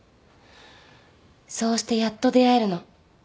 そうしてやっと出会えるの。